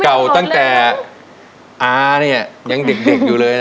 เก่าตั้งแต่อาเนี่ยยังเด็กอยู่เลยนะ